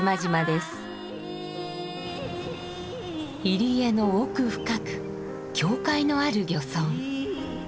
入り江の奥深く教会のある漁村。